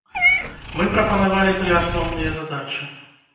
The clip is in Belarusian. Мы прапанавалі тры асноўныя задачы.